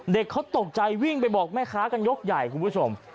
เด็กเขาตกใจวิ่งไปบอกแม่ค้ากันยกใหญ่คุณผู้ชม